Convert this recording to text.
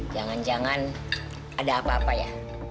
jangan jangan ada apa apa ya